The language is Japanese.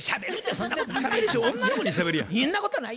そんなことない。